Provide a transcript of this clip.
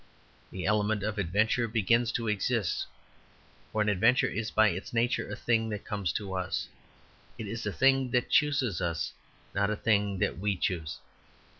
The element of adventure begins to exist; for an adventure is, by its nature, a thing that comes to us. It is a thing that chooses us, not a thing that we choose.